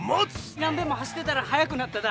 何べんも走ってたら速くなっただ。